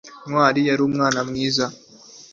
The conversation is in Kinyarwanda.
kandi igihe cy'impeshyi nikigera nta mbuto n'imwe afite